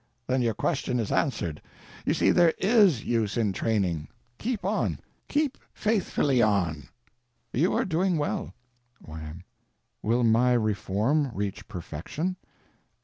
Then your question is answered. You see there _is _use in training. Keep on. Keeping faithfully on. You are doing well. Y.M. Will my reform reach perfection?